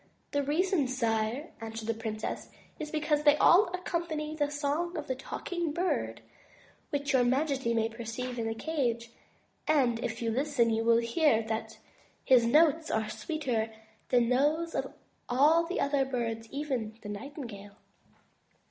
"The reason. Sire," answered the princess, "is because they all come to accompany the song of the Talking Bird, which your majesty may perceive in the cage; and if you listen you will hear that his notes are 76 THE TREASURE CHEST sweeter than those of all the other birds, even the nightingale.'